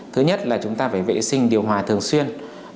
thứ nhất là chúng ta phải vệ sinh điều hòa thường xuyên